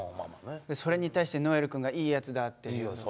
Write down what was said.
それに対して如恵留くんが「いいやつだ」っていう。